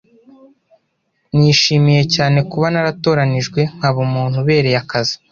Nishimiye cyane kuba naratoranijwe nkaba umuntu ubereye akazi.